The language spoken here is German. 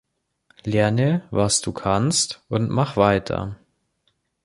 Lerne, was du kannst, und mach weiter.